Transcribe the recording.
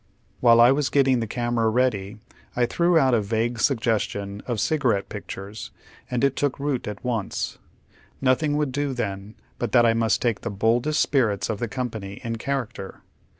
"VVliile I was getting the camera ready,! threw out a vague sugges tion of cigarette pictures, and it took root at once. Jsotli ing would do then but that I must take the boldest spirits of the company " in character."